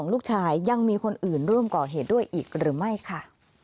ลูกชายยังมีคนอื่นร่วมก่อเหตุด้วยอีกหรือไม่ค่ะ